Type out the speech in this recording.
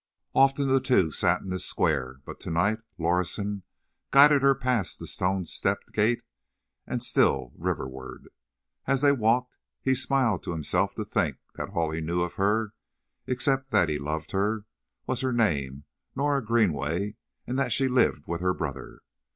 Often the two sat in this square, but to night Lorison guided her past the stone stepped gate, and still riverward. As they walked, he smiled to himself to think that all he knew of her—except that be loved her—was her name, Norah Greenway, and that she lived with her brother.